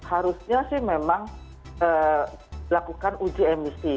harusnya sih memang lakukan uji emisi